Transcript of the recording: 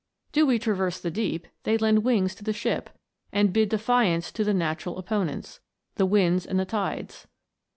Do we traverse the deep, they lend wings to the ship, and bid defiance to the natural opponents, the winds and the tides